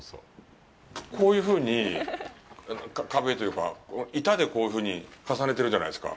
こういうふうに壁というか、板でこういうふうに重ねてるじゃないですか。